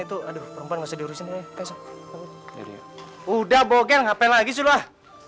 udah bokel hp lagi sudah